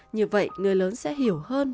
như vậy người lớn sẽ hiểu hơn